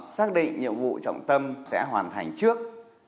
xác định nhiệm vụ trọng tâm sẽ hoàn thành trước